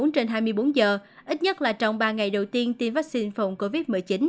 bốn trên hai mươi bốn giờ ít nhất là trong ba ngày đầu tiên tiêm vaccine phòng covid một mươi chín